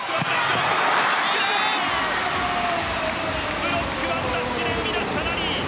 ブロックワンタッチで生み出したラリー。